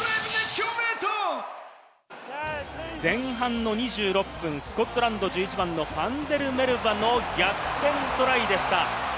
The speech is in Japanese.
前半の２６分、スコットランド１１番のファンデルメルヴァの逆転トライでした。